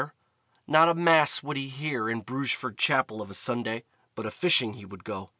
Not a Mass would he hear in Brugeford Chapel of a Sunday, but a fishing he would go.